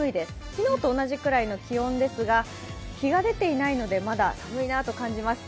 昨日と同じくらいの気温ですが日が出ていないので、まだ寒いなと感じます。